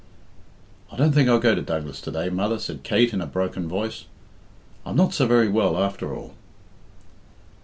"I don't think I'll go to Douglas to day, mother," said Kate in a broken voice. "I'm not so very well, after all."